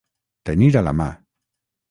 Tenir a la mà.